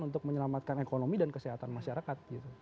untuk menyelamatkan ekonomi dan kesehatan masyarakat